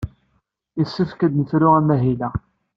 Yessefk ad nefru amahil-a.